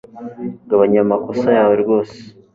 gabanya ayo makosa yawerwose